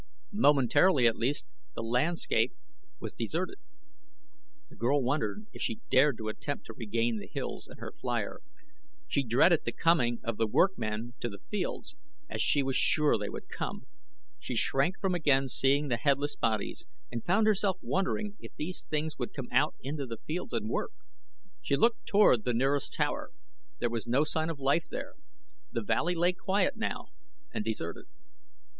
Momentarily at least the landscape was deserted. The girl wondered if she dared to attempt to regain the hills and her flier. She dreaded the coming of the workmen to the fields as she was sure they would come. She shrank from again seeing the headless bodies, and found herself wondering if these things would come out into the fields and work. She looked toward the nearest tower. There was no sign of life there. The valley lay quiet now and deserted.